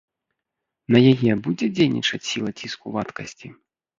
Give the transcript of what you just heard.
На яе будзе дзейнічаць сіла ціску вадкасці?